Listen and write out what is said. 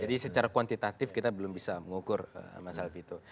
jadi secara kuantitatif kita belum bisa mengukur mas alvioto